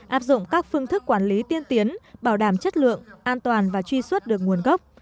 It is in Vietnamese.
áp dụng các phương thức quản lý tiên tiến bảo đảm chất lượng an toàn và truy xuất được nguồn gốc